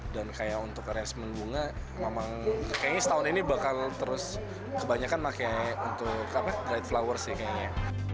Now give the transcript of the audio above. dan kayak untuk resmen bunga memang kayaknya setahun ini bakal terus kebanyakan pakai untuk dried flowers sih kayaknya